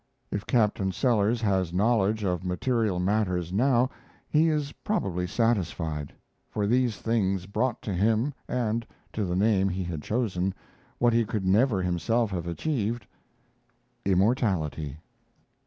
If Captain Sellers has knowledge of material matters now, he is probably satisfied; for these things brought to him, and to the name he had chosen, what he could never himself have achieved immortality.